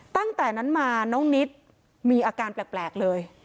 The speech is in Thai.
ตั้งแต่นั้นมาน้องนิดมีอาการแปลกเลย